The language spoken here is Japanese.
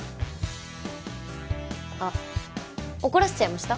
あっ怒らせちゃいました？